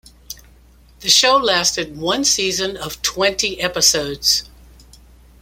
The show lasted one season of twenty episodes.